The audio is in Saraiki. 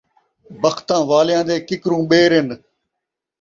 بختاں والیاں دے کِکروں ٻیر اِن